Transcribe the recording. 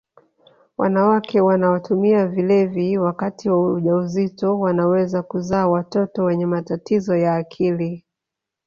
wanawake wanaotumia vilevi wakati wa ujauzito wanaweza kuzaa watoto wenye matatizo ya akili